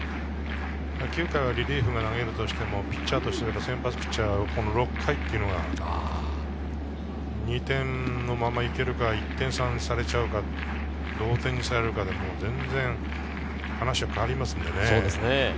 ９回はリリーフが投げるとしてもピッチャーとしては先発ピッチャーを６回は２点のまま行けるか、１点差にされちゃうか、同点にされるかで全然変わりますからね。